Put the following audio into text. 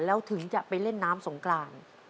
แล้วถึงจะไปเล่นน้ำสงกราน